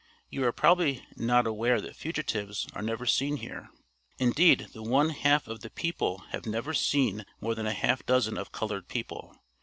You are probably not aware that fugitives are never seen here. Indeed the one half of the people have never seen more than a half dozen of colored people.